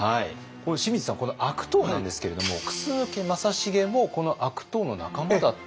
清水さん悪党なんですけれども楠木正成もこの悪党の仲間だった？